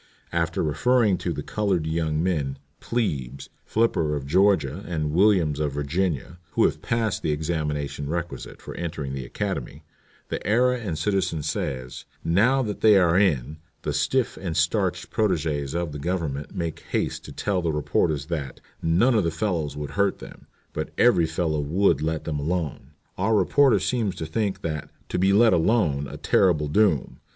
After referring to the colored young men, 'Plebes' Flipper of Georgia, and Williams of Virginia, who have passed the examination requisite for entering the Academy, the Era and Citizen says: 'Now that they are in, the stiff and starched protègès of the Government make haste to tell the reporters that "none of the fellows would hurt them, but every fellow would let them alone." Our reporter seems to think that "to be let alone" a terrible doom.